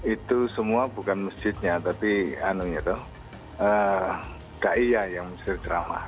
itu semua bukan masjidnya tapi anunya tuh gak iya yang mustir drama